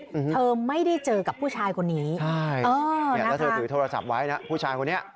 อืมเธอไม่ได้เจอกับผู้ชายคนนี้ใช่เออเนี้ยแล้วเธอถือโทรศัพท์ไว้นะผู้ชายคนนี้